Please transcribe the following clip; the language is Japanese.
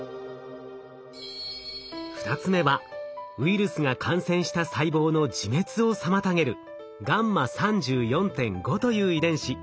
２つ目はウイルスが感染した細胞の自滅を妨げるγ３４．５という遺伝子。